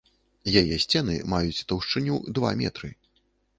Яе сцены маюць таўшчыню два метры.